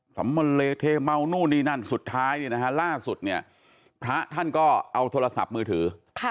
สำมะเลเทเมานู่นนี่นั่นสุดท้ายล่าสุดพระท่านก็เอาโทรศัพท์มือถือ